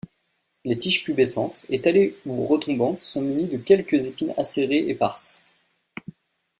Les tiges pubescentes, étalées ou retombantes sont munies de quelques épines acérées éparses.